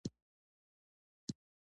په باغ کې ګل ده